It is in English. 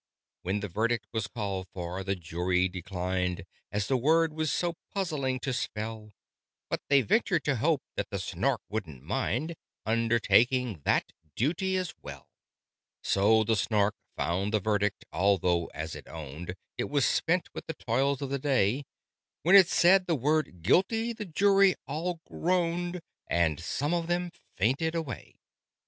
When the verdict was called for, the Jury declined, As the word was so puzzling to spell; But they ventured to hope that the Snark wouldn't mind Undertaking that duty as well. So the Snark found the verdict, although, as it owned, It was spent with the toils of the day: When it said the word "GUILTY!" the Jury all groaned, And some of them fainted away.